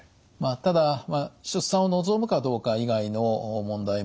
ただ出産を望むかどうか以外の問題もあります。